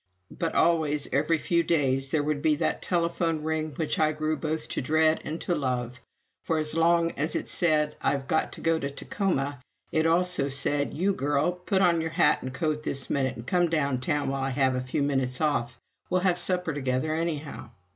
But always every few days there would be that telephone ring which I grew both to dread and to love. For as often as it said, "I've got to go to Tacoma," it also said, "You Girl, put on your hat and coat this minute and come down town while I have a few minutes off we'll have supper together anyhow."